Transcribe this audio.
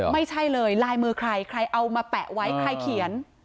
ไม่ใช่เลยลายมือใครใครเอามาแปะไว้ใครเขียน